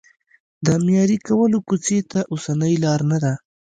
د معیاري کولو کوڅې ته اوسنۍ لار نه ده.